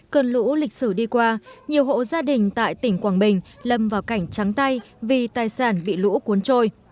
cơn lũ lịch sử đi qua nhiều hộ gia đình tại tỉnh quảng bình lâm vào cảnh trắng tay vì tài sản bị lũ cuốn trôi